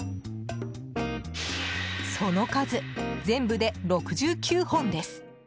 その数、全部で６９本です。